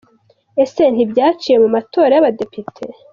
Ese ntibyaciye mu matora y’abadepite ?